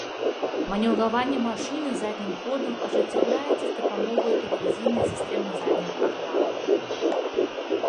Манеўраванне машыны заднім ходам ажыццяўляецца з дапамогаю тэлевізійнай сістэмы задняга агляду.